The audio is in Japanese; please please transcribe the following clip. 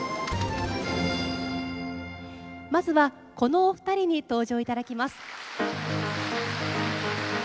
まずはこのお二人に登場いただきます。